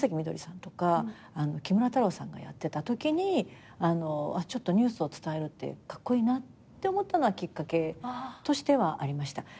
緑さんとか木村太郎さんがやってたときにニュースを伝えるってカッコイイなって思ったのはきっかけとしてはありました。